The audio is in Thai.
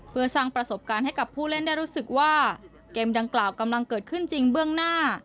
เพื่อสร้างประสบการณ์ให้กับผู้เล่นได้รู้สึกว่าเกมดังกล่าวกำลังเกิดขึ้นจริงเบื้องหน้า